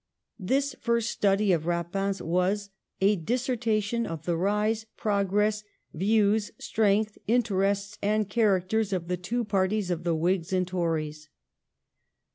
This first study of Eapin's was 'A Disserta tion of the rise, progress, views, strength, interests, and characters of the two Parties of the Whigs and Tories.'